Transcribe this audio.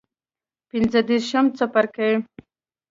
پنځه دیرشم څپرکی